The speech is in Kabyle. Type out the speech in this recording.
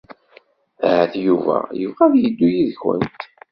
Ahat Yuba yebɣa ad yeddu yid-kent.